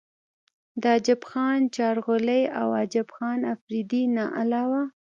د عجب خان چارغولۍ او عجب خان افريدي نه علاوه